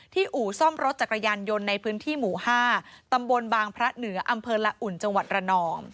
ที่อู่ซ่อมรถจักรยานยนต์ในพื้นที่หมู่๕ตำบลบางพระเหนืออละอุ่นจรน